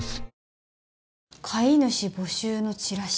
「飼い主募集のチラシ」